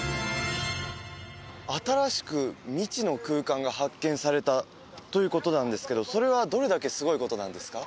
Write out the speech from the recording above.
新しく未知の空間が発見されたということなんですけどそれはどれだけすごいことなんですか？